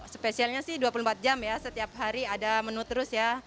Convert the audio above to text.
spesialnya sih dua puluh empat jam ya setiap hari ada menu terus ya